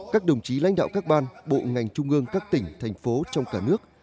các đồng chí lãnh đạo các ban bộ ngành trung ương các tỉnh thành phố trong cả nước